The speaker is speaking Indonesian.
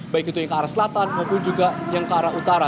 baik itu yang ke arah selatan maupun juga yang ke arah utara